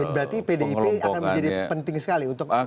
berarti pdip akan menjadi penting sekali untuk masuk ke salah satu